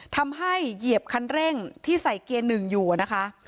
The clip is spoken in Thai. ทำให้เหยียบคันเร่งที่ใส่เกียร์๑อยู่นะคะ